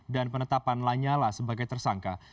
dan penetapan lanyala sebagai tersangka